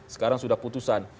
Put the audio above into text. sekarang sudah putusan